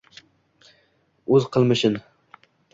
O’z qilmishin